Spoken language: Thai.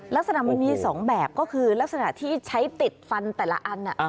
ลักษณะมันมี๒แบบก็คือลักษณะที่ใช้ติดฟันแต่ละอัน